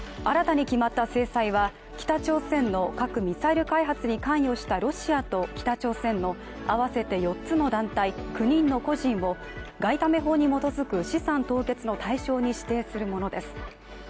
新たに決まった制裁は、北朝鮮の核・ミサイル開発に関与したロシアと北朝鮮の合わせて４つの団体９人の個人を外為法に基づく資産凍結の対象に指定するものです。